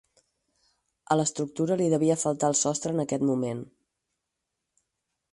A l'estructura li devia faltar el sostre en aquest moment.